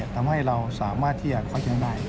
ทำให้เราสามารถที่จะขอินได้